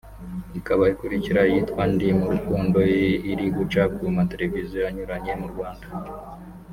ikaba ikurikira iyitwa “Ndi Mu Rukundo” iri guca ku mateleviziyo anyuranye mu Rwanda